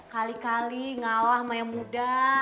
kali kali ngalah sama yang muda